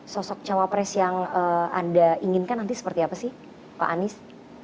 sosok cawapres yang anda inginkan nanti seperti apa sih pak anies